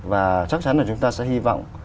và chắc chắn là chúng ta sẽ hy vọng